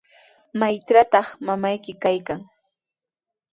¿Maytrawtaq mamayki kaykan?